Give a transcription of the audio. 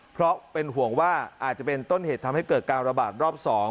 เพราะเป็นห่วงว่าอาจจะเป็นต้นเหตุทำให้เกิดการระบาดรอบ๒